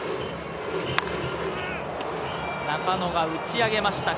中野が打ち上げました。